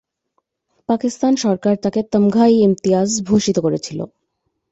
পাকিস্তান সরকার তাকে তমঘা-ই-ইমতিয়াজ ভূষিত করেছিল।